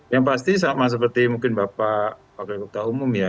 yang pasti sama seperti mungkin bapak wakil ketua umum ya